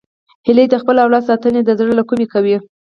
هیلۍ د خپل اولاد ساتنه د زړه له کومي کوي